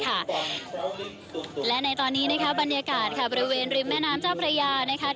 และในตอนนี้นะคะบรรยากาศค่ะบริเวณริมแม่น้ำเจ้าพระยานะคะ